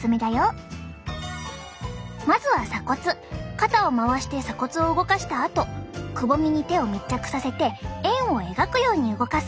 肩を回して鎖骨を動かしたあとくぼみに手を密着させて円を描くように動かす。